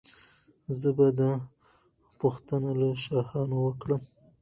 زه به دا پوښتنه له شاهانو وکړم.